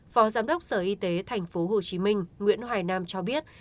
phó giám đốc sở y tế tp hcm nguyễn hoài nam cho biết